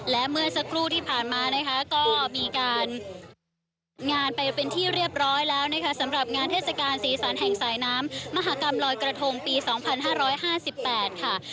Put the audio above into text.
และเมื่อสักครู่ที่ผ่านมานะคะก็มีการงานไปเป็นที่เรียบร้อยแล้วนะคะสำหรับงานเทศกาลสีสันแห่งสายน้ำมหากรรมลอยกระทงปี๒๕๕๘ค่ะ